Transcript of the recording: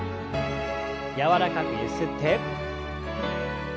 柔らかくゆすって。